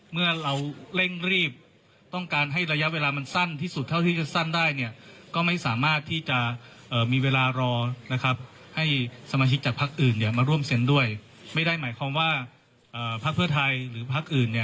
มาร่วมเซ็นด้วยไม่ได้หมายความว่าพรรคเพื่อไทยหรือพรรคอื่น